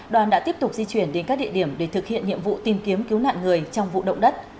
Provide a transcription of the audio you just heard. đoàn đã tiếp tục di chuyển đến các địa điểm để thực hiện nhiệm vụ tìm kiếm cứu nạn người trong vụ động đất